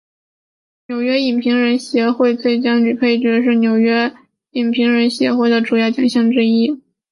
纽约影评人协会奖最佳女配角是纽约影评人协会奖的主要奖项之一。